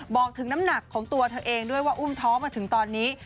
บอกถึงน้ำหนักของตัวเธอเองด้วยว่าอุ้มท้องมาถึงตอนนี้